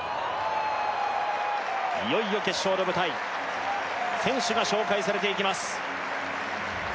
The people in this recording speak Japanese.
いよいよ決勝の舞台選手が紹介されていきます